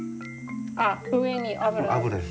あっ上に油を？